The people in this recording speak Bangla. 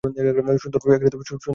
সুন্দর নাম, তাই না?